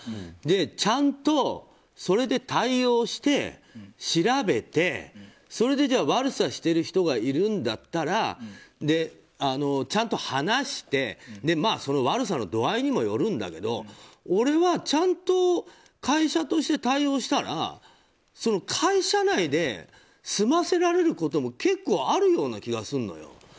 それで、ちゃんとそれで対応して調べてそれで悪さしている人がいるんだったらちゃんと話して悪さの度合いにもよるんだけどちゃんと会社として対応したら会社内で済ませられることも結構あるような気がするのよ。